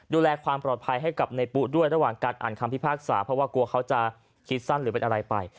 ดูแลความปลอดภัยให้กับในปุ๊ด้วยระหว่างการอ่านคำพิพากษาเพราะว่ากลัวเขาจะคิดสั้นหรือเป็นอะไรไป